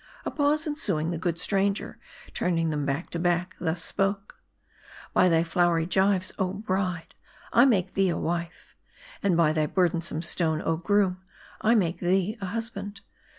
A pause ensuing, the good stranger, turning them back to back, thus spoke :;.>'" By thy flowery gyves, oh bride, I make thee a wife ; and by thy burdensome stone, oh groom, I make thee a husband.